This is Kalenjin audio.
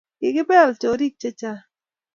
Kikipel chorik chechang